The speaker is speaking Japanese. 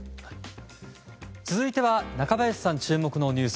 続いては中林さん注目のニュース。